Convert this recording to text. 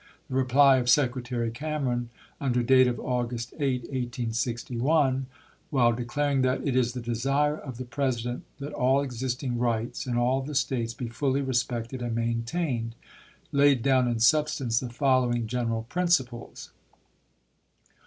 The reply of Secretary Cameron, under date of August 8, 1861, while declaring that, " It is the desire of the President that all existing rights in all the States be fully respected and maintained," laid down in substance the following. general prin ciples.